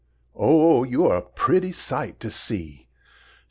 Oh, you're pretty sight to see!